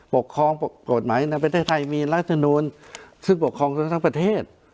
ปกครองกฎหมายในประเทศไทยมีรัฐมนูลซึ่งปกครองทั้งประเทศ